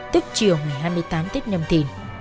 tức chiều ngày hai mươi tám tết nhâm thị